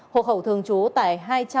hồ khẩu thường trú tại